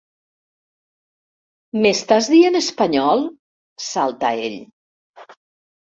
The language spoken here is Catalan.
M'estàs dient espanyol? —salta ell.